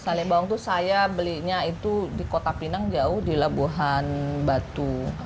salembawang itu saya belinya itu di kota pinang jauh di labuhan batu